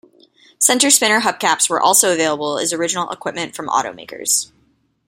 Center spinner hubcaps were also available as original equipment from automakers.